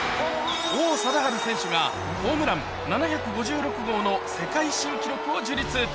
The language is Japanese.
王貞治選手がホームラン７５６号の世界新記録を樹立。